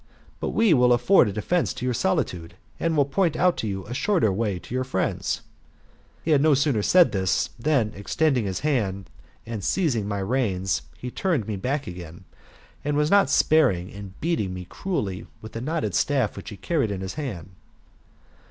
But we will afford a defence to your solitude, and will point out to you a shorter way to your friends/' He had no sooner said this, than, extending his hand, and seizing my reins, he turned me back again, and was not sparing in beating me cruelly with the knotted staff which he carried in his hand.